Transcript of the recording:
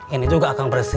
ini juga akang bersihin